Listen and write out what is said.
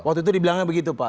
waktu itu dibilangnya begitu pak